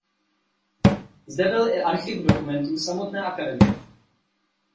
Zde byl i archiv dokumentů samotné akademie.